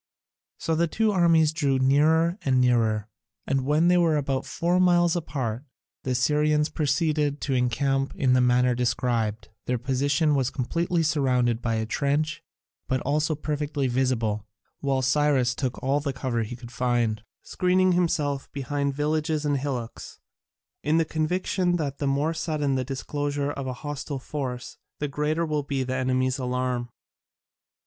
So the two armies drew nearer and nearer, and when they were about four miles apart, the Assyrians proceeded to encamp in the manner described: their position was completely surrounded by a trench, but also perfectly visible, while Cyrus took all the cover he could find, screening himself behind villages and hillocks, in the conviction that the more sudden the disclosure of a hostile force the greater will be the enemy's alarm.